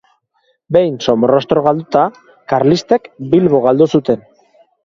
Behin Somorrostro galduta, karlistek Bilbo galdu zuten.